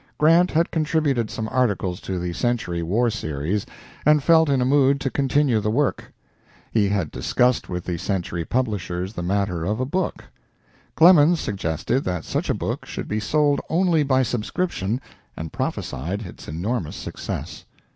Grant had contributed some articles to the "Century" war series, and felt in a mood to continue the work. He had discussed with the "Century" publishers the matter of a book. Clemens suggested that such a book should be sold only by subscription and prophesied its enormous success.